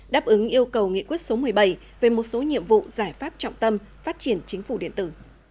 đáp ứng yêu cầu nghị quyết số một mươi bảy về một số nhiệm vụ giải pháp trọng tâm phát triển chính phủ điện tử